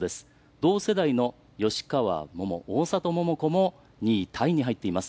同世代の吉川桃、大里桃子も２位タイに入っています。